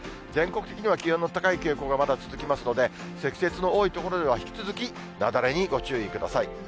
全国的には気温の高い傾向がまだ続きますので、積雪の多い所では、引き続き雪崩にご注意ください。